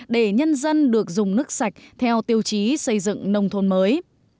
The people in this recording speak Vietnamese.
để nhân dân được dùng nước sạch theo tiêu chí xây dựng nông thôn mới